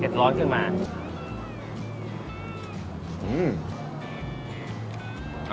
เก็บร้อยขึ้นมา